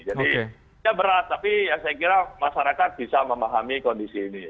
jadi ya berat tapi ya saya kira masyarakat bisa memahami kondisi ini